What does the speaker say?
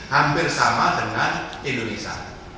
hampir sama dengan indonesia